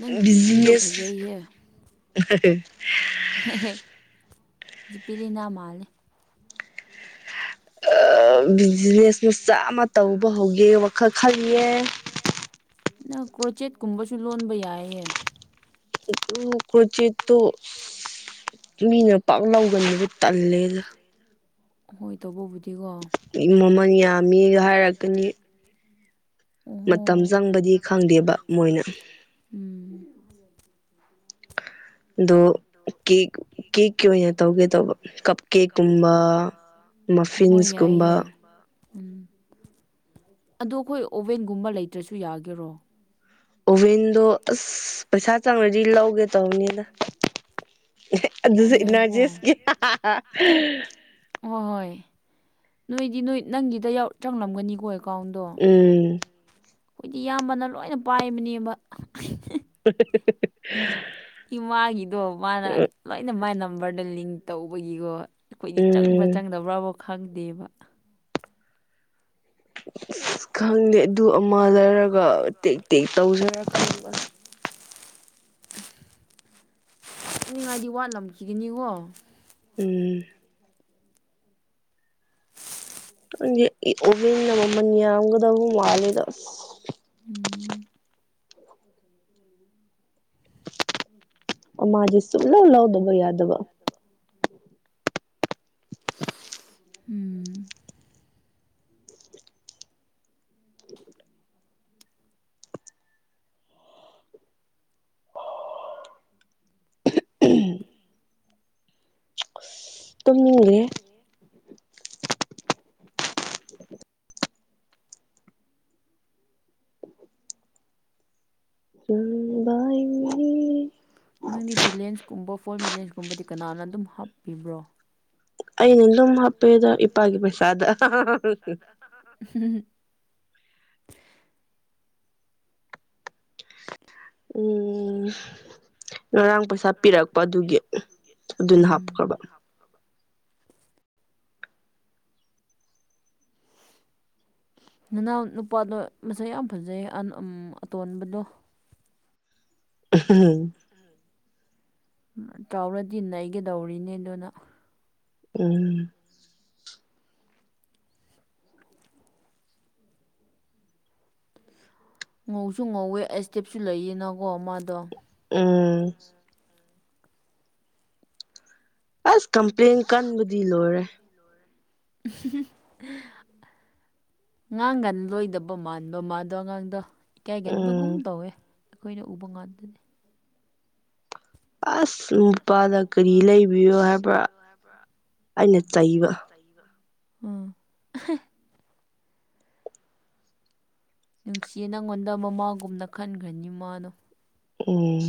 ꯅꯪꯒꯤ ꯗꯤꯄꯤꯗꯣ ꯕꯤꯖꯤꯅꯦꯁ ꯐꯖꯩꯍꯦ ꯖꯤꯄꯤꯂꯤꯅ ꯃꯥꯜꯂꯦ ꯑꯥꯎ ꯕꯤꯖꯤꯅꯦꯁ ꯃꯆꯥ ꯑꯃ ꯇꯧꯕ ꯍꯧꯒꯦ ꯋꯥꯈꯜ ꯈꯜꯂꯤꯌꯦ ꯅꯪ ꯀ꯭ꯔꯣꯆꯦꯠꯀꯨꯝꯕꯁꯨ ꯂꯣꯟꯕ ꯌꯥꯏꯌꯦ ꯑꯗꯨ ꯀ꯭ꯔꯣꯆꯦꯠꯇꯣ ꯃꯤꯅ ꯄꯥꯛ ꯂꯧꯒꯟꯕꯗꯨ ꯇꯜꯂꯦꯗ ꯑꯍꯣꯏ ꯇꯧꯕꯕꯨꯗꯤꯀꯣ ꯎꯝ ꯃꯃꯜ ꯌꯥꯝꯃꯤꯒ ꯍꯥꯏꯔꯛꯀꯅꯤ ꯑꯣꯍꯣ ꯃꯇꯝ ꯆꯪꯕꯗꯤ ꯈꯪꯗꯦꯕ ꯃꯣꯏꯅ ꯎꯝ ꯑꯗꯣ ꯀꯦꯛ ꯀꯦꯛꯀꯤ ꯑꯣꯏꯅ ꯇꯧꯒꯦ ꯇꯧꯕ ꯀꯞ ꯀꯦꯛꯀꯨꯝꯕ ꯍꯣꯏ ꯃꯐꯤꯟꯁꯀꯨꯝꯕ ꯌꯥꯏꯌꯦ ꯎꯝ ꯑꯗꯣ ꯑꯈꯣꯏ ꯑꯣꯚꯦꯟꯒꯨꯝꯕ ꯂꯩꯇ꯭ꯔꯁꯨ ꯌꯥꯒꯦꯔꯣ ꯑꯣꯚꯦꯟꯗꯣ ꯑꯁ ꯄꯩꯁꯥ ꯆꯪꯔꯗꯤ ꯂꯧꯒꯦ ꯇꯧꯅꯤꯗ ꯑꯗꯨꯖꯨ ꯍꯣꯏ ꯌꯥꯏꯀꯣ ꯍꯣꯏ ꯏꯅꯔꯖꯤꯁꯀꯤ ꯑꯣꯍꯣꯏꯍꯣꯏ ꯅꯣꯏꯗꯤ ꯅꯣꯏ ꯅꯪꯒꯤꯗ ꯌꯥꯎ ꯆꯪꯂꯝꯒꯅꯤꯀꯣ ꯑꯦꯀꯥꯎꯟꯗꯣ ꯎꯝ ꯈꯣꯏꯗꯤ ꯏꯌꯥꯝꯕꯅ ꯂꯣꯏꯅ ꯄꯥꯏꯕꯅꯦꯕ [unintelligible] ꯏꯃꯥꯒꯤꯗꯣ ꯃꯥꯅ ꯂꯣꯏꯅ ꯃꯥꯏ ꯅꯝꯕꯔꯗ ꯂꯤꯡ ꯇꯧꯕꯒꯤꯀꯣ ꯑꯩꯈꯣꯏꯗꯤ ꯆꯪꯕ꯭ꯔꯥ ꯎꯝ ꯆꯪꯗꯕ꯭ꯥꯔꯕꯥꯎ ꯈꯪꯗꯦꯕ ꯏꯁ ꯈꯪꯗꯦ ꯑꯗꯨ ꯑꯃ ꯂꯩꯔꯒ ꯇꯦꯛ ꯇꯦꯛ ꯇꯧꯖꯔ ꯈꯪꯕ ꯑꯅꯤꯡ ꯍꯥꯏꯗꯤ ꯋꯥꯠꯂꯝꯈꯤꯒꯅꯤꯒꯣ ꯎꯝ ꯈꯪꯗꯦ ꯑꯩ ꯑꯣꯚꯦꯟꯅ ꯃꯥꯃꯟ ꯌꯥꯝꯒꯗꯕ ꯃꯥꯂꯦꯗ ꯎꯝ ꯑꯃꯗꯤ ꯁꯨꯡꯂꯧ ꯂꯧꯗꯕ ꯌꯥꯗꯕ ꯎꯝ ꯇꯨꯝꯅꯤꯡꯒ꯭ꯔꯦ ꯇꯨꯝꯅꯤꯡꯉꯦ [unintelligible] ꯅꯪꯗꯤ ꯕꯤꯂꯦꯟꯁꯀꯨꯝꯕ ꯐꯣꯟ ꯕꯤꯂꯦꯟꯁꯀꯨꯝꯕꯗꯤ ꯀꯅꯥꯅ ꯑꯗꯨꯝ ꯍꯥꯞꯄꯤꯕ꯭ꯔꯣ ꯑꯩꯅ ꯑꯗꯨꯝ ꯍꯥꯄꯦꯗ ꯏꯄꯥꯒꯤ ꯄꯩꯁꯥꯗ [unintelligible] ꯎꯝ ꯉꯔꯥꯡ ꯄꯩꯁꯥ ꯁꯥ ꯄꯤꯔꯛꯄ ꯑꯗꯨꯒꯤ ꯑꯗꯨꯅ ꯎꯝ ꯍꯥꯞꯈ꯭ꯔꯕ ꯅꯅꯥꯎ ꯅꯨꯄꯥꯗꯣ ꯃꯁꯛ ꯌꯥꯝ ꯐꯖꯩ ꯑꯇꯣꯟꯕꯗꯣ ꯎꯝ ꯆꯥꯎꯔꯗꯤ ꯅꯩꯒꯗꯧꯔꯤꯅꯦ ꯑꯗꯨꯅ ꯎꯝ ꯉꯧꯁꯨ ꯉꯧꯋꯦ ꯑꯩ ꯏꯁꯇꯦꯞꯁꯨ ꯂꯩꯌꯦꯅꯀꯣ ꯃꯥꯗꯣ ꯎꯝ ꯑꯁ ꯀꯝꯄ꯭ꯂꯦꯟ ꯀꯟꯕꯗꯤ ꯂꯣꯏꯔꯦ [unintelligible] ꯉꯥꯡ ꯉꯥꯟ ꯂꯣꯏꯗꯕ ꯃꯥꯟꯕ ꯃꯗꯣ ꯑꯉꯥꯡꯗꯣ ꯏꯀꯥꯏꯒꯟꯕꯒꯨꯝ ꯎꯝ ꯇꯧꯋꯦ ꯑꯩꯈꯣꯏꯅ ꯎꯕ ꯉꯥꯛꯇꯅꯤ ꯑꯁ ꯅꯨꯄꯥꯗ ꯀꯔꯤ ꯂꯩꯕꯤꯌꯣ ꯍꯥꯏꯕ꯭ꯔꯥ ꯑꯩꯅ ꯆꯩꯕ ꯆꯩꯕ ꯅꯨꯡꯁꯤꯌꯦ ꯅꯪꯉꯣꯟꯗ ꯃꯃꯥꯒꯨꯝꯅ ꯈꯟꯈ꯭ꯔꯅꯤ ꯃꯥꯅꯣ ꯎꯝ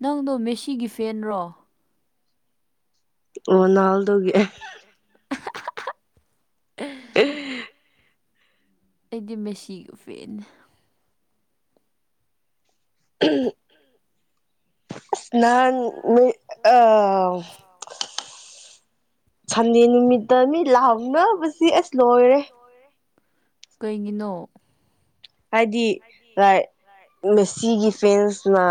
ꯅꯪꯗꯣ ꯃꯦꯁꯤꯒꯤ ꯐꯦꯟꯔꯣ ꯔꯣꯅꯥꯜ ꯔꯣꯅꯥꯜꯗꯣꯒꯤ [unintelligible] ꯑꯩꯗꯤ ꯃꯦꯁꯤꯒꯤ ꯐꯦꯟꯅꯦ [unintelligible] [unintelligible] ꯁꯟꯗꯦ ꯅꯨꯃꯤꯠꯇ ꯃꯤ ꯂꯥꯎꯅꯕꯁꯤ ꯑꯁ ꯂꯣꯏꯔꯦ ꯀꯩꯒꯤꯅꯣ ꯍꯥꯏꯗꯤ ꯃꯦꯁꯤꯒꯤ ꯐꯦꯟꯁꯅ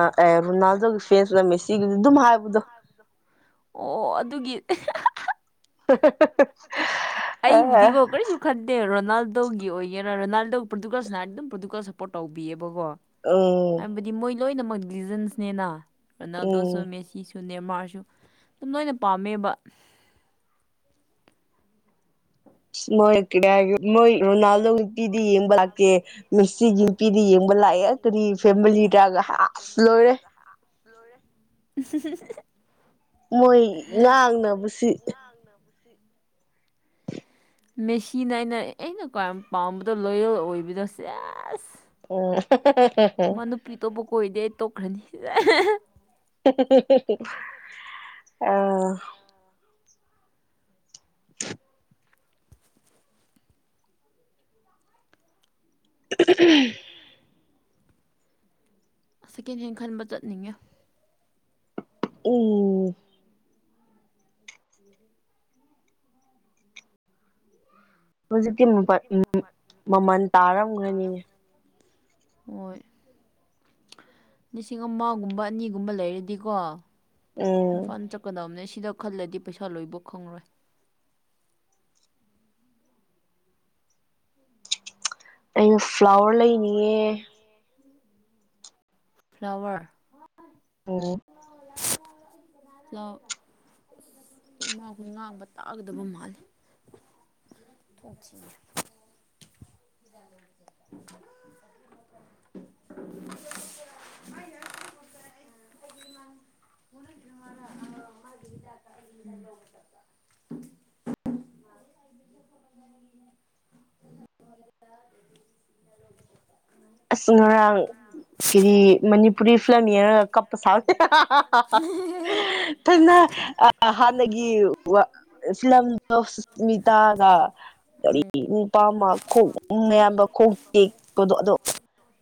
ꯔꯣꯅꯥꯜꯗꯣꯒꯤ ꯐ꯭ꯔꯦꯟꯅ ꯃꯦꯁꯤ ꯍꯥꯏꯕꯗꯣ ꯑꯣ ꯑꯗꯨꯒꯤ ꯑꯦ ꯑꯩꯕꯨꯗꯤꯀꯣ ꯀꯩꯁꯨ ꯈꯟ ꯔꯣꯅꯥꯜꯗꯣꯒꯤ ꯑꯣꯏꯒꯦꯔꯥ ꯔꯣꯅꯥꯜꯗꯣ ꯄ꯭ꯔꯗꯨꯀꯜꯁꯤꯅ ꯍꯥꯏ ꯑꯗꯨꯝ ꯄ꯭ꯔꯣꯗꯨꯀꯜ ꯁꯞꯄꯣꯔꯠ ꯇꯧꯕꯤꯑꯕꯀꯣ [unintelligible] ꯍꯥꯏꯕꯗꯤ ꯃꯣꯏ ꯂꯣꯏꯅꯃꯛ ꯂꯤꯖꯟꯁꯅꯦꯅ ꯔꯣꯅꯥꯜꯗꯣꯁꯨ ꯎꯝ ꯃꯦꯁꯤꯁꯨ ꯅꯃꯥꯔꯁꯨ ꯑꯗꯨꯝ ꯂꯣꯏꯅ ꯄꯥꯝꯃꯦꯕ ꯏꯁꯃꯣꯏ ꯀ ꯍꯥꯏꯦ ꯃꯣꯏ ꯔꯣꯅꯥꯜꯗꯣ ꯅꯨꯄꯤꯗꯤ ꯌꯦꯡꯕ ꯂꯥꯛꯇꯦ ꯃꯤꯁꯤꯒꯤ ꯅꯨꯄꯤꯗꯤ ꯌꯦꯡꯕ ꯂꯥꯛꯑꯦ ꯀꯔꯤ ꯅꯨꯄꯤꯗ ꯌꯦꯡꯕ ꯂꯥꯛꯑꯦ ꯐꯦꯃꯤꯂꯤꯗꯒ ꯑꯗꯨꯒꯤ ꯑꯁ ꯂꯣꯏꯔꯦ ꯐꯦꯃꯤꯂꯤꯗꯒ [unintelligible] ꯃꯣꯏ ꯉꯥꯡꯅꯕꯁꯤ [unintelligible] [unintelligible] ꯃꯦꯁꯤꯅ ꯑꯩꯅ ꯑꯩꯅ ꯈ꯭ꯋꯥꯏ ꯄꯥꯝꯕꯗ ꯂꯣꯌꯦꯜ ꯑꯣꯏꯕꯗꯣꯁꯦ ꯁꯦꯁ [unintelligible] ꯃꯥ ꯅꯨꯄꯤ ꯇꯣꯞꯄ ꯀꯣꯏꯔꯗꯤ ꯇꯣꯛꯈ꯭ꯔꯅꯤ [unintelligible] [inaudible] ꯎꯝ ꯁꯦꯀꯦꯟ ꯍꯦꯟ ꯈꯟꯕ ꯆꯠꯅꯤꯡꯉꯦ ꯎꯝ ꯎꯝ ꯗꯥꯗ ꯍꯧꯖꯤꯛꯇꯤ [unintelligible] ꯃꯃꯟ ꯇꯥꯔꯝꯒꯅꯤ ꯍꯣꯏ ꯂꯤꯁꯤꯡ ꯑꯃꯒꯨꯝꯕ ꯑꯅꯤꯒꯨꯝꯕ ꯂꯩꯔꯗꯤꯀꯣ ꯎꯝ ꯏꯝꯐꯥꯜ ꯆꯠꯀꯗꯝꯅꯦ ꯁꯤꯗ ꯈꯜꯂꯗꯤ ꯄꯩꯁꯥ ꯂꯣꯏꯕ ꯈꯪꯪꯂꯣꯏ ꯑꯩ ꯐ꯭ꯂꯥꯋꯔ ꯂꯩꯅꯤꯌꯦ ꯐ꯭ꯂꯋꯔ ꯎꯝ ꯍꯜꯂꯣ ꯏꯃꯥꯈꯣꯏ ꯉꯥꯡꯕ ꯇꯥꯒꯗꯕ ꯃꯥꯜꯂꯤ ꯊꯣꯆꯤ [unintelligible] ꯃꯥꯏ ꯃꯥꯖ ꯆ [unintelligible] [unintelligible] ꯑꯁ ꯉꯔꯥꯡ ꯀꯔꯤ ꯃꯅꯤꯄꯨꯔꯤ ꯐꯤꯂꯝ ꯌꯦꯡꯔꯒ ꯀꯄ ꯁꯥꯏ ꯊꯣꯏꯅ ꯑꯥ ꯍꯥꯟꯅꯒꯤ ꯋꯥ ꯐꯤꯂꯝꯀꯣ ꯁꯃꯤꯇꯥꯒ ꯀꯔꯤ ꯎꯝ ꯅꯨꯄꯥꯝꯃ ꯈꯣꯛꯅꯨꯡ ꯌꯥꯝꯕ ꯈꯣꯛ ꯇꯦꯛꯄꯗꯣ ꯑꯗꯣ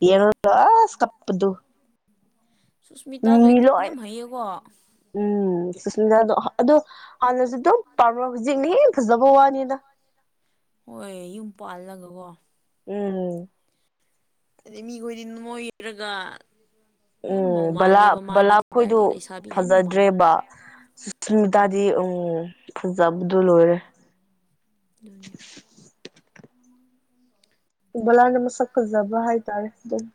ꯌꯦꯡꯔꯒꯥ ꯑꯁ ꯀꯞꯄꯗꯨ ꯁꯨꯁꯃꯤꯇꯥꯁꯨ ꯑꯩꯗꯤ ꯂꯣꯏ ꯌꯥꯝ ꯍꯩꯌꯦꯀꯣ ꯎꯝ ꯁꯨꯁꯃꯤꯂ ꯗꯣ ꯑꯗꯣ ꯍꯥꯟꯅꯁꯨ ꯗꯨꯝ ꯄꯥꯝꯃ ꯍꯧꯖꯤꯛꯅ ꯍꯦꯅ ꯐꯖꯕ ꯋꯥꯅꯤꯗ ꯍꯣꯏ ꯌꯨꯝ ꯄꯥꯜꯂꯒꯀꯣ ꯎꯝ ꯑꯗꯩ ꯃꯤꯈꯣꯏꯗꯤ ꯅꯣꯏꯔꯒ ꯑꯗꯨꯝ ꯎꯝ ꯃꯧ ꯕꯂꯥ ꯃꯥꯜꯂꯦꯕ ꯃꯥꯗꯤ ꯕꯂꯥ ꯈꯣꯏꯗꯨ ꯀꯗꯥꯏꯗꯒꯤ ꯂꯩꯁꯥꯕꯤ ꯍꯦꯟꯅ ꯃꯥꯜꯂꯦ ꯐꯖꯗ꯭ꯔꯦꯕ ꯁꯨꯁꯃꯤꯇꯥꯗꯤ ꯎꯝ ꯐꯖꯕꯗꯨ ꯂꯣꯏꯔꯦ ꯗꯨꯅꯦ ꯕꯂꯥꯅ ꯃꯁꯛ ꯐꯖꯕ ꯍꯥꯏꯇꯥꯔꯦ ꯗꯨꯝ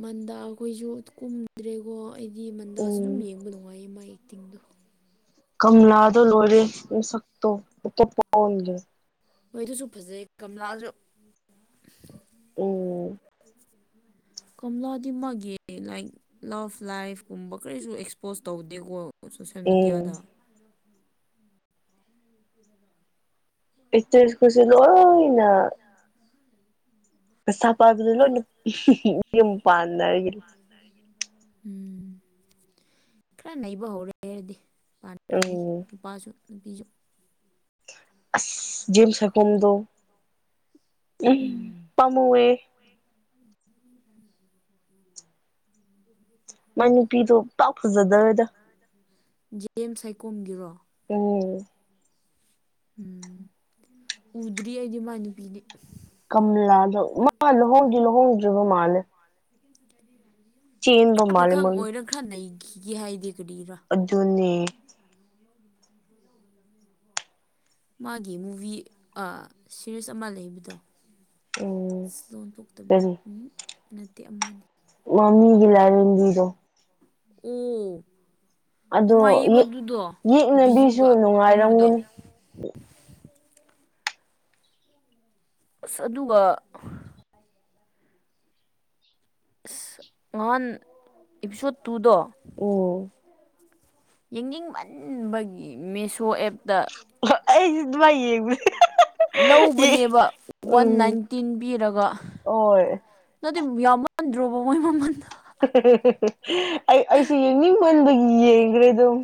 ꯃꯟꯗꯥ ꯈꯣꯏꯁꯨ ꯀꯨꯝꯗ꯭ꯔꯦꯀꯣ ꯑꯩꯗꯤ ꯃꯟꯗꯥꯁꯨ ꯑꯗꯨꯝ ꯎꯝ ꯌꯦꯡꯕ ꯅꯨꯡꯉꯥꯏꯌꯦ ꯃꯥꯏ ꯇꯤꯡꯗꯨ ꯀꯃꯂꯥꯗꯣ ꯂꯣꯔꯦ ꯃꯁꯛꯇꯣ ꯑꯗꯣ ꯄꯝꯗꯔ꯭ꯦ ꯃꯣꯏꯗꯨꯁꯨ ꯐꯖꯩ ꯀꯝꯂꯥꯁꯨ ꯎꯝ ꯀꯝꯂꯗꯤ ꯃꯒꯤ ꯂꯩ ꯂꯐ ꯂꯥꯏꯐꯀꯨꯝꯕ ꯀꯔꯤꯁꯨ ꯑꯦꯛꯁꯄꯣꯖ ꯇꯧꯗꯦꯀꯣ ꯁꯣꯁꯦꯜ ꯎꯝ ꯃꯦꯗꯤꯌꯥꯗ ꯑꯇꯔ꯭ꯦꯁ ꯈꯣꯏꯁꯤ ꯂꯣꯏꯅ ꯄꯩꯁꯥ ꯄꯥꯏꯕꯗꯥ ꯂꯣꯏꯅ ꯌꯨꯝ ꯄꯥꯟꯅꯩ ꯎꯝ ꯈꯔ ꯅꯩꯕ ꯍꯧꯔꯛꯔꯗꯤ ꯄꯥꯟꯈꯔ꯭ ꯅꯤ ꯎꯝ ꯅꯨꯄꯥꯁꯨ ꯅꯨꯄꯤꯁꯨ ꯑꯁ ꯖꯦꯝ ꯁꯥꯏꯈꯣꯝ ꯗꯣ ꯎꯝ ꯄꯥꯃꯨꯏꯌꯦ ꯎꯝꯗ ꯃꯥꯏ ꯅꯨꯨꯄꯤꯗꯣ ꯄꯥꯛ ꯐꯖꯗꯔꯦꯗ ꯖꯦꯝ ꯁꯥꯏꯀꯣꯝꯒꯤꯔꯣ ꯎꯝ ꯎꯝ ꯎꯗ꯭ꯔꯤ ꯑꯩꯗꯤ ꯏꯃꯥ ꯅꯨꯄꯤꯅꯦ ꯀꯝꯂꯥꯗꯣ ꯃꯥ ꯂꯨꯍꯣꯡꯗꯤ ꯂꯨꯍꯣꯡꯗ꯭ꯔꯤꯕ ꯃꯥꯜꯂꯦ ꯆꯦꯟꯕ ꯈꯔ ꯃꯥꯜꯂꯦ ꯄꯥꯈꯪ ꯃꯣꯏ ꯑꯣꯏꯔ ꯈꯔ ꯅꯩꯈꯤꯒꯦ ꯍꯥꯏꯗꯦ ꯀꯔꯤꯔꯣ ꯑꯗꯨꯅꯦ ꯃꯥꯒꯤ ꯃꯨꯚꯤ ꯑ ꯁꯤꯔꯤꯁ ꯑꯃ ꯂꯩꯕꯗꯣ ꯎꯝ [unintelligible] ꯇꯥꯕꯤ ꯀꯔꯤ ꯑꯝ ꯅꯠꯇꯦ ꯑꯃꯅꯦ ꯃꯃꯤꯒꯤ ꯂꯥꯏꯔꯦꯟꯕꯤꯗꯣ ꯑꯣ ꯑꯗꯣ ꯌꯦꯛ ꯅꯨꯡꯉꯥꯏꯕꯗꯨꯗꯣ ꯌꯦꯛꯅꯕꯤꯁꯨ ꯕꯤꯖꯨꯒ ꯀꯨꯝꯕꯗꯣ ꯅꯨꯡꯉꯥꯏꯔꯝꯒꯅꯤ ꯑꯁ ꯑꯗꯨꯒ ꯑꯁ ꯉꯍꯥꯟ ꯑꯦꯛꯁꯣꯠ ꯇꯨꯗꯣ ꯑꯣ ꯌꯦꯡꯅꯤꯡꯃꯟꯕꯒꯤ ꯃꯦꯁꯣ ꯑꯦꯞꯇ ꯑꯩꯁꯦ ꯑꯗꯨꯃꯥꯏ ꯌꯦꯡꯕꯅꯦ ꯂꯧꯕꯅꯦꯕ ꯋꯥꯟ ꯎꯝ ꯅꯥꯏꯟꯇꯤꯟ ꯄꯤꯔꯒ ꯍꯣꯏ ꯅꯠꯇꯦ ꯌꯥꯝꯃꯟꯗ꯭ꯔꯣꯕ ꯃꯣꯏ ꯃꯃꯟꯗꯣ ꯑꯩ ꯑꯩꯁꯦ ꯌꯦꯡꯅꯤꯡꯃꯟꯕꯒꯤ ꯌꯦꯡꯈ꯭ꯔꯦ ꯑꯗꯨꯝ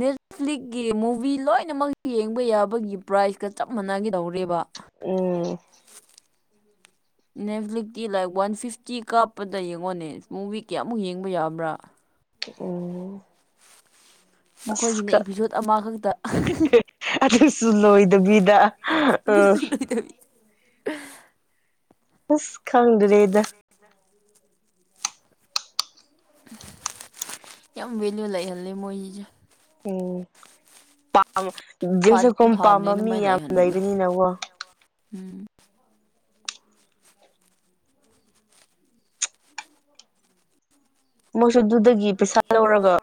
ꯅꯦꯠꯐ꯭ꯂꯤꯛꯀꯤ ꯃꯨꯚꯤ ꯂꯣꯏꯅꯃꯛ ꯌꯦꯡꯕ ꯌꯥꯕꯒꯤ ꯄ꯭ꯔꯥꯏꯖꯀ ꯆꯞ ꯃꯥꯟꯅꯒꯗꯧꯔꯦꯕ ꯎꯝ ꯎꯝ ꯅꯦꯠꯐꯂꯤꯁꯛꯇꯤ ꯂꯥꯏꯛ ꯋꯥꯟ ꯐꯤꯐꯇꯤ ꯀꯥꯞꯄꯗ ꯌꯦꯡꯉꯣꯅꯦ ꯃꯨꯚꯤ ꯀꯌꯥꯃꯨꯛ ꯌꯦꯡꯕ ꯌꯥꯕ꯭ꯔꯥ ꯎꯝ ꯃꯈꯣꯏꯒꯤꯅ ꯑꯁ ꯏꯄꯤꯁꯣꯠ ꯑꯃꯈꯛꯇ ꯑꯗꯨꯁꯨ ꯂꯣꯏꯗꯕꯤꯗ ꯎ ꯑꯗꯨꯁꯨ ꯂꯣꯏꯗꯕꯤ ꯎꯐ ꯈꯪꯗꯔꯦꯗ [inaudible] ꯌꯥꯝ ꯚꯦꯂꯌꯨ ꯂꯩꯍꯜꯂꯦ ꯃꯣꯏꯒꯤꯁꯦ ꯎꯝ ꯄꯝ ꯐꯗꯤ ꯖꯤꯟꯁꯈꯨꯝ ꯐꯕꯅꯦ ꯄꯥꯝꯕ ꯃꯤ ꯑꯗꯨꯃꯥꯏꯅ ꯌꯥꯝ ꯂꯩꯍꯟꯕꯗꯣ ꯂꯩꯕꯅꯤꯅꯀꯣ ꯎꯝ ꯃꯣꯏꯁꯨ ꯑꯗꯨꯗꯒꯤ ꯄꯩꯁꯥ ꯂꯧꯔꯒ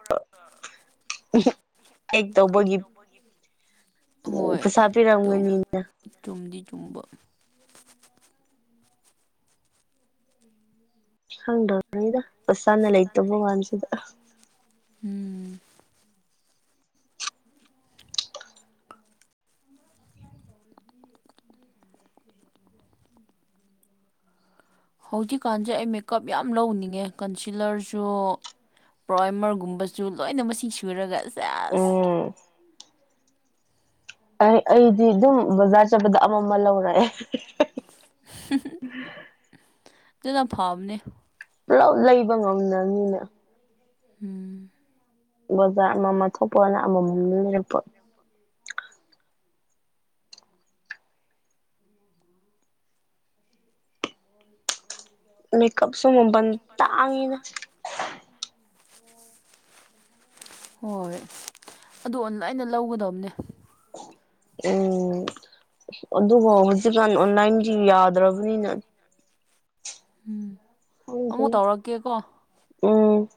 ꯑꯦꯛ ꯇꯧꯕꯒꯤ ꯍꯣꯏ ꯄꯩꯁꯥ ꯇꯧ ꯄꯤꯔꯝꯒꯅꯤꯅ ꯆꯨꯝꯗꯤ ꯆꯨꯝꯕ ꯎꯝ [unintelligible] ꯄꯁꯅ ꯂꯩꯇꯕ ꯋꯥꯟꯁꯤꯗ ꯎꯝ ꯍꯧꯖꯤꯛꯀꯥꯟꯁꯦ ꯑꯩ ꯃꯦꯀꯞ ꯌꯥꯝ ꯂꯧꯅꯤꯡꯉꯦ ꯀꯟꯁꯤꯂꯔꯁꯨ ꯄ꯭ꯔꯣꯏꯃꯔꯒꯨꯝꯕꯁꯨ ꯂꯣꯏꯅ ꯃꯁꯤꯡ ꯁꯨꯔꯒ ꯑꯁ ꯎꯝ ꯑꯩ ꯑꯩꯗꯤ ꯑꯗꯨꯝ ꯕꯖꯥꯔ ꯆꯠꯄꯗ ꯑꯃ ꯃ ꯂꯧꯔꯛꯑꯦ ꯗꯣꯅ ꯐꯥꯕꯅꯦ ꯄꯨꯂꯞ ꯂꯩꯕ ꯉꯝꯗꯕꯅꯤꯅ ꯎꯝ ꯕꯖꯥꯔ ꯑꯃ ꯃ ꯊꯣꯛꯄꯅ ꯑꯃꯃꯝ ꯂꯩꯔꯛꯄ ꯃꯦꯀꯞꯁꯨ ꯃꯕꯟ ꯇꯥꯡꯉꯤꯗ ꯑꯣ ꯍꯣꯏ ꯑꯗꯨ ꯂꯥꯏꯅ ꯂꯧꯒꯗꯝꯅꯦ ꯎꯝ ꯑꯗꯨꯕꯨ ꯍꯧꯖꯤꯛꯀꯥꯟ ꯑꯣꯟꯂꯥꯏꯟꯖꯦ ꯌꯥꯗ꯭ꯔꯕꯅꯤꯅ ꯎꯝ ꯑꯃꯨꯛ ꯈꯪꯗꯔꯦ ꯇꯧꯔꯛꯀꯦꯀꯣ ꯎꯝ